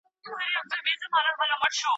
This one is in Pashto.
آيا ارقام په څېړنه کي مرسته کوي؟